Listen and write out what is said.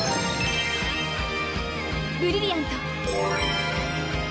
ブリリアント！